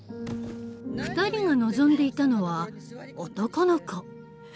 ２人が望んでいたのは男の子。